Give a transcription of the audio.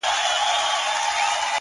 د زړه رگونه مي د باد په هديره كي پراته ـ